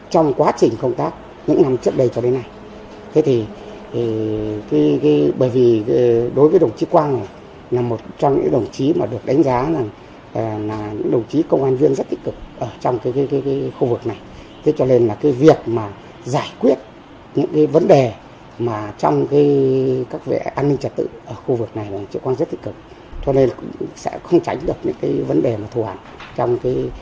cho nên sẽ không tránh được những vấn đề thù hạn đối với đồng chức quang